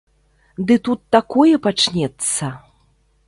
Ды тут такое пачнецца!